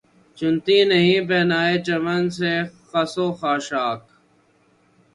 چنتی نہیں پہنائے چمن سے خس و خاشاک